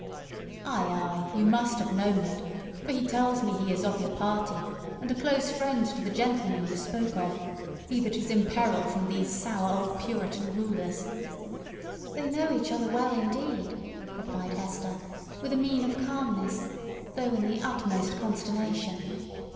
Ay, ay, you must have known it; for he tells me he is of your party, and a close friend to the gentleman you spoke of—he that is in peril from these sour old Puritan rulers." "They know each other well, indeed," replied Hester, with a mien of calmness, though in the utmost consternation.